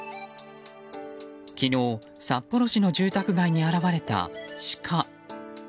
昨日、札幌市の住宅街に現れたシカ。